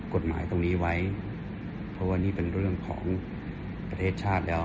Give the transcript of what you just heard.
กฎหมายตรงนี้ไว้เพราะว่านี่เป็นเรื่องของประเทศชาติแล้ว